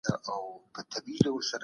اسلامي اقتصاد د هر چا په ګټه دی.